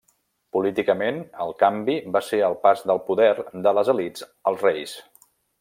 Políticament, el canvi va ser el pas del poder de les elits als reis.